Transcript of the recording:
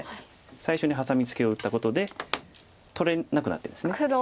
最初にハサミツケを打ったことで取れなくなってます。